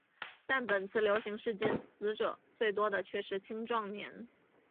但本次流行事件死者最多的却是青壮年。